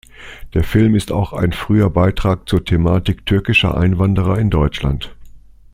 Der Film ist auch ein früher Beitrag zur Thematik türkischer Einwanderer in Deutschland.